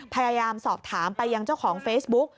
พยายามสอบถามไปยังเจ้าของเฟซบุ๊ก